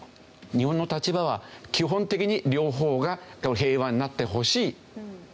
日本の立場は基本的に両方が平和になってほしいというわけですよね。